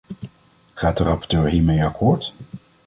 Gaat de rapporteur hiermee akkoord?